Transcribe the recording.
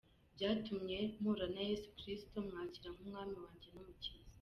Byatumye mpura na Yesu Kristo, mwakira nk’Umwami wanjye n’Umukiza.